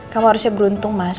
kamu harusnya beruntung mas